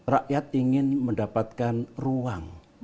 rakyat ingin mendapatkan ruang